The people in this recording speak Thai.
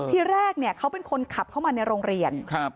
ที่แรกเนี่ยเขาเป็นคนขับเข้ามาในโรงเรียน